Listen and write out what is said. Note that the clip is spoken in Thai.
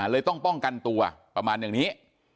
เลยต้องป้องกันตัวประมาณอย่างนี้